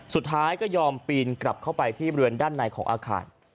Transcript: สุดท้ายก็ยอมปีนกลับเข้าไปที่บริเวณด้านในของอาคาร